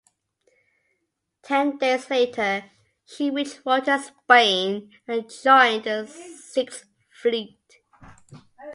Ten days later, she reached Rota, Spain, and joined the Sixth Fleet.